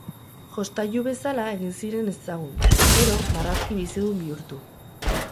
Jostailu bezala egin ziren ezagun eta gero, marrazki bizidun bihurtu.